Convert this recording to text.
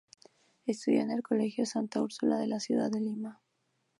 Estudió en el colegio Santa Úrsula de la ciudad de Lima.